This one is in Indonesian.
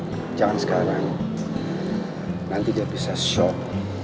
jangan bu jangan sekarang nanti dia bisa shock